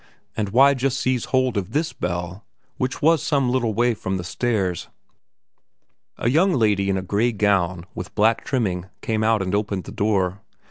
And why just seize hold of this bell which was some little way from the stairs? A young lady in a grey gown with black trimming came out and opened the door.